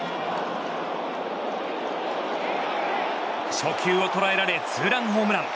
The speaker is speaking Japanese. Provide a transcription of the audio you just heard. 初球を捉えられツーランホームラン。